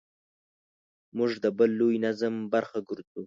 موږ د بل لوی نظم برخه ګرځو.